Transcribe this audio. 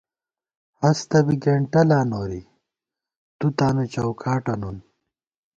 ہستہ بی گېنٹہ لا نوری، تُو تانُو چَوکاٹہ نُون